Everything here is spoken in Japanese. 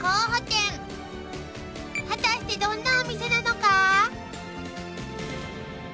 ［果たしてどんなお店なのか］